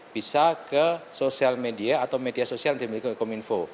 bisa ke sosial media atau media sosial yang dimiliki kominfo